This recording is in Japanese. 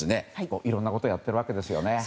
いろんなことやってるわけですよね。